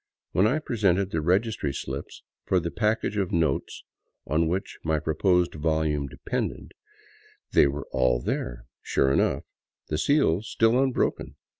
When I presented the registry slips for the package of notes on which my proposed volume depended, they were all there, sure enough, the seals still unbroken.